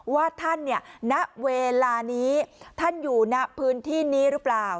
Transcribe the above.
ว่าท่านเนี่ยณเวลานี้ท่านอยู่ณพื้นที่นี้หรือเปล่า